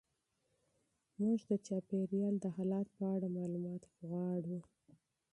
موږ د ټولنیز وضعیت په اړه معلومات غواړو.